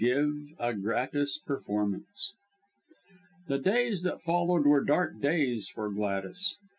GIVE A GRATIS PERFORMANCE The days that followed were dark days for Gladys.